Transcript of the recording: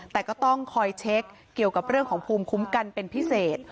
แต่ก็ต้องคอยเช็คเกี่ยวกับเรื่องของภูมิคุ้มกันเป็นพิเศษ